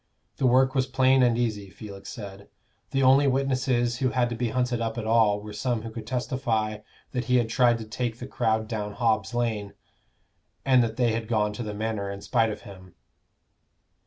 The work was plain and easy, Felix said. The only witnesses who had to be hunted up at all were some who could testify that he had tried to take the crowd down Hobb's Lane, and that they had gone to the Manor in spite of him.